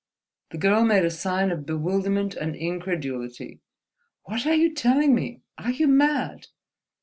The girl made a sign of bewilderment and incredulity. "What are you telling me? Are you mad?"